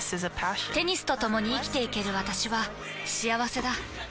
テニスとともに生きていける私は幸せだ。